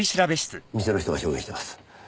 店の人が証言しています。